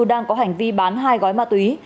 đang có hành vi bán hai gói ma túy